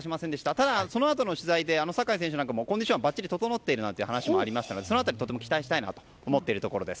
ただ、そのあとの取材で酒井選手もコンディションは整っているという話もありましたのでその辺り、とても期待したいなと思っているところです。